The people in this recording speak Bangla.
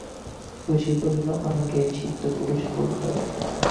শশী বলিল, অনেকে সিদ্ধপুরুষ বলত।